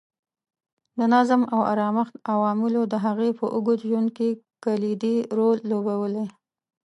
د نظم او ارامښت عواملو د هغې په اوږد ژوند کې کلیدي رول لوبولی.